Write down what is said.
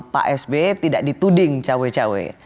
pak sby tidak dituding cawe cawe